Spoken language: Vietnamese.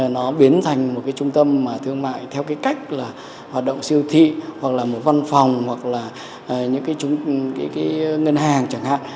nó biến thành một trung tâm thương mại theo cách hoạt động siêu thị hoặc là một văn phòng hoặc là những ngân hàng chẳng hạn